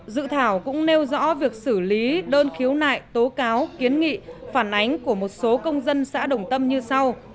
dự thảo cũng nêu rõ việc xử lý đơn khiếu nại tố cáo kiến nghị phản ánh của một số công dân xã đồng tâm như sau